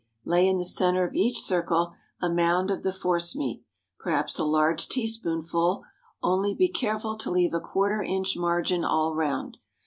Lay in the centre of each circle a mound of the force meat perhaps a large teaspoonful, only be careful to leave a quarter inch margin all round.